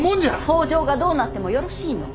北条がどうなってもよろしいの？